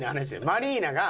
マリーナが。